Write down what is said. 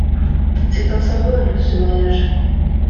C'est un symbole, ce mariage.